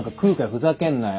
ふざけんなよ。